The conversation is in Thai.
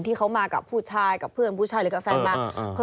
ที่เขามากับผู้ชายกับเพื่อนผู้ชายหรือกับแฟนมา